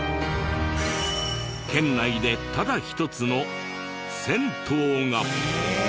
県内でただ一つの銭湯が！へえ！